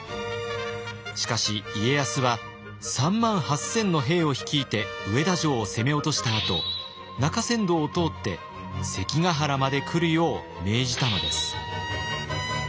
しかし家康は３万８，０００の兵を率いて上田城を攻め落としたあと中山道を通って関ヶ原まで来るよう命じたのです。